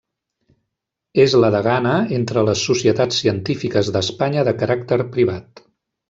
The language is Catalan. És la degana entre les societats científiques d'Espanya de caràcter privat.